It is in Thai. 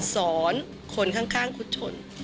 สอนคนข้างครูชน